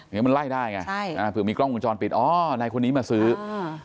มันไล่ได้ไงใช่อ่ามีกล้องมุมจรปิดอ๋อในคนนี้มาซื้ออ่า